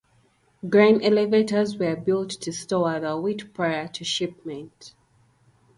Grain elevators were built to store the wheat prior to shipment.